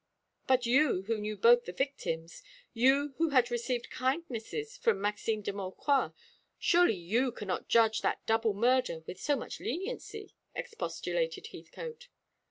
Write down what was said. "But you who knew both the victims; you who had received kindnesses from Maxime de Maucroix surely you cannot judge that double murder with so much leniency," expostulated Heathcote.